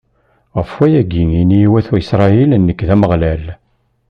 ɣef wayagi, ini i wat Isṛayil: Nekk, d Ameɣlal.